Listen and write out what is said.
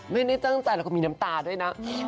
ไม่ได้ตั้งใจแล้วก็มีน้ำตาด้วยนะ